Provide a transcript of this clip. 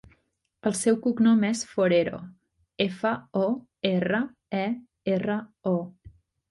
El seu cognom és Forero: efa, o, erra, e, erra, o.